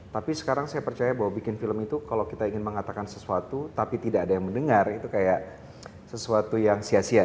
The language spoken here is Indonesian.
tapi sekarang saya percaya bahwa bikin film itu kalau kita ingin mengatakan sesuatu tapi tidak ada yang mendengar itu kayak sesuatu yang sia sia